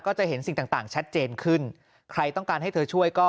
จะเห็นสิ่งต่างต่างชัดเจนขึ้นใครต้องการให้เธอช่วยก็